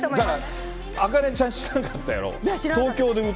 だから、あかねちゃん知らんかったやろ。